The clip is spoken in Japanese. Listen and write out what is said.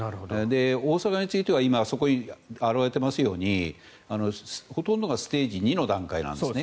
大阪については今、そこに表れていますようにほとんどがステージ２の段階なんですね。